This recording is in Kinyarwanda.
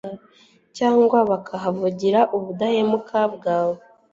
cyangwa bakahavugira ubudahemuka bwawe